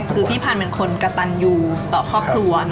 คือพี่พันธ์เป็นคนกระตันอยู่ต่อครอบครัว